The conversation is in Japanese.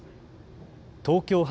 東京発